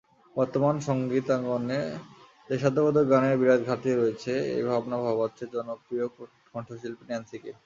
বর্তমানে সংগীতাঙ্গনে দেশাত্মবোধক গানের বিরাট ঘাটতি রয়েছে—এই ভাবনা ভাবাচ্ছে জনপ্রিয় কণ্ঠশিল্পী ন্যান্সিকে।